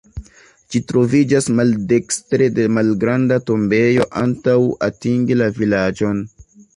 Ĝi troviĝas maldekstre de malgranda tombejo antaŭ atingi la vilaĝon.